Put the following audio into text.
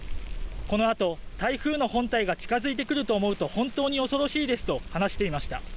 このあと台風の本体が近づいてくると思うと本当に恐ろしいですと話していました。